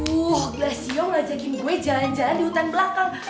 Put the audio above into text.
uh blacio ngajakin gue jalan jalan di hutan belakang